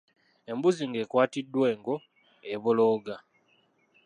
Embuzi ng'ekwatiddwa engo, ebolooga.